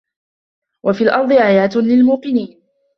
وَفِي الأَرضِ آياتٌ لِلموقِنينَ